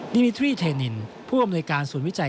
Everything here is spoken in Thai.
ดิมิทรี่เทนินผู้อำนวยการศูนย์วิจัย